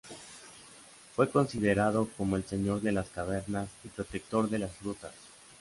Fue considerado como el señor de las cavernas y protector de las frutas.